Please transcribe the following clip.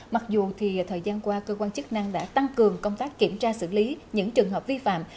mặc dù thời gian qua cơ quan chức năng đã tăng cường công tác kiểm tra xử lý những trường hợp vi phạm